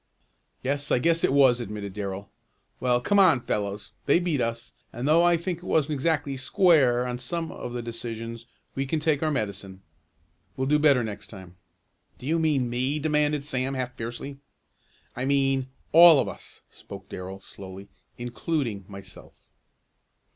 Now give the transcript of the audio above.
"Yes, I guess it was," admitted Darrell. "Well come on, fellows. They beat us, and though I think it wasn't exactly square on some of the decisions, we can take our medicine. We'll do better next time." "Do you mean me?" demanded Sam half fiercely. "I mean all of us," spoke Darrell slowly, "including myself."